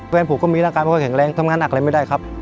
ผมก็มีร่างกายพ่อแข็งแรงทำงานหนักอะไรไม่ได้ครับ